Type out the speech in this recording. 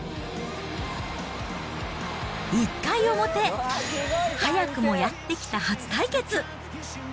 １回表、早くもやって来た初対決。